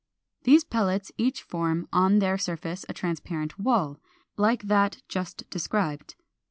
These pellets each form on their surface a transparent wall, like that just described.